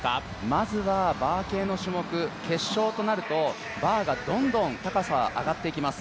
まずはバー系の種目決勝となるとバーがどんどん高さが上がっていきます